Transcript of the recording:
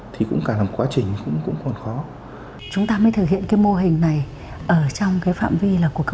thì cũng càng làm quá trình cũng còn khó